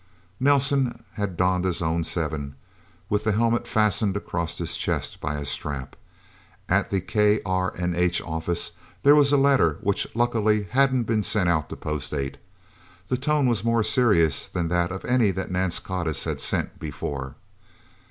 Nelsen had donned his own Seven, with the helmet fastened across his chest by a strap. At the KRNH office, there was a letter, which luckily hadn't been sent out to Post Eight. The tone was more serious than that of any that Nance Codiss had sent before.